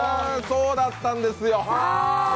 そうだったんですよ